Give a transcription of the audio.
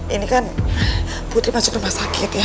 ini kan putri masuk rumah sakit ya